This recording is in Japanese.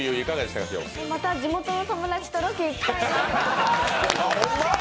また地元の友達とロケ行きたいです。